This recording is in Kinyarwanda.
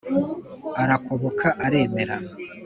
arakoboka aremera